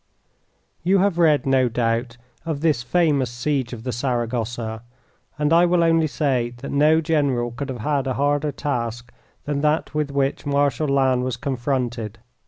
You have read, no doubt, of this famous siege of Saragossa, and I will only say that no general could have had a harder task than that with which Marshal Lannes was confronted.